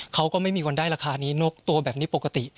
เขาก็ไม่มีวันได้ราคานี้นกตัวแบบนี้ปกติ